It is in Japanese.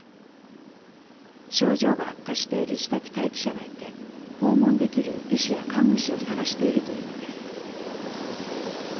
症状が悪化している自宅待機者がいて訪問できる医師や看護師を探しているというのです。